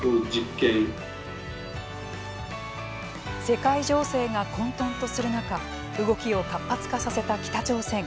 世界情勢が混とんとする中動きを活発化させた北朝鮮。